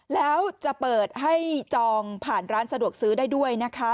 แล้วจะเปิดให้จองผ่านร้านสะดวกซื้อได้ด้วยนะคะ